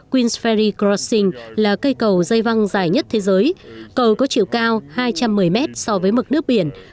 queensferry crossing là cây cầu dây văng dài nhất thế giới cầu có chiều cao hai trăm một mươi m so với mực nước biển